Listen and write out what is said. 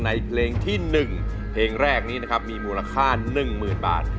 ในเพลงที่๑เพลงแรกนี้นะครับมีมูลค่า๑๐๐๐บาท